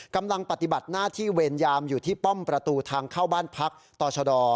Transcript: กำลังปฏิบัติหน้าที่เวรยามอยู่ที่ป้อมประตูทางเข้าบ้านพักต่อชด